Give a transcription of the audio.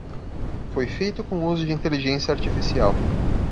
Foi feito com uso de inteligência artificial